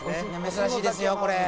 珍しいですよこれ。